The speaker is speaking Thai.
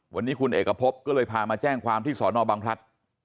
วันนี้คุณเอกพบก็เลยพามาแจ้งความที่สอนอบังพลัด